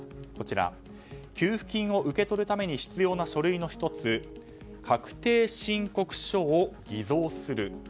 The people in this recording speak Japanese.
給付金を受け取るために必要な書類の１つ確定申告書を偽造する。